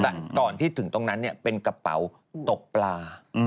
แต่ก่อนที่ถึงตรงนั้นเป็นกระเป๋าตกปลา